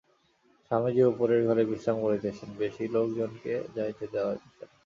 স্বামীজী উপরের ঘরে বিশ্রাম করিতেছেন, বেশী লোকজনকে যাইতে দেওয়া হইতেছে না।